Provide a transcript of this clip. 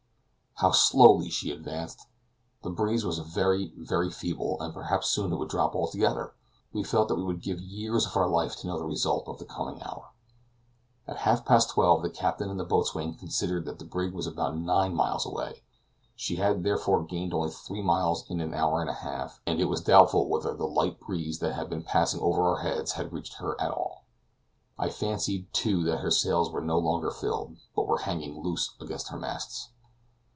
How slowly she advanced! The breeze was very, very feeble, and perhaps soon it would drop altogether! We felt that we would give years of our life to know the result of the coming hour. At half past twelve the captain and the boatswain considered that the brig was about nine miles away; she had, therefore, gained only three miles in an hour and a half, and it was doubtful whether the light breeze that had been passing over our heads had reached her at all. I fancied, too, that her sails were no longer filled, but were hanging loose against her masts.